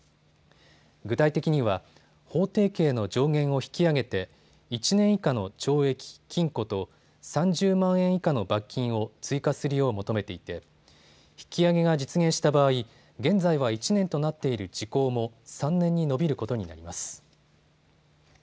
具体的には法定刑の上限を引き上げて１年以下の懲役・禁錮と３０万円以下の罰金を追加するよう求めていて引き上げが実現した場合、現在は１年となっている時効も３年に延びることになります。